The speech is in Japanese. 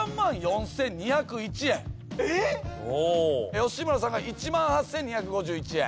吉村さんが１万８，２５１円。